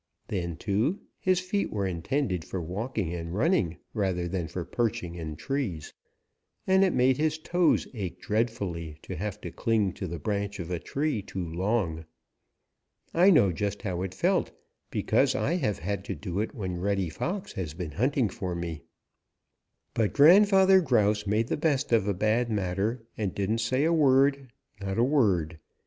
Then, too, his feet were intended for walking and running rather than for perching in trees, and it made his toes ache dreadfully to have to cling to the branch of a tree too long. I know just how it felt because I have had to do it when Reddy Fox has been hunting for me. "But Grandfather Grouse made the best of a bad matter and didn't say a word, not a word.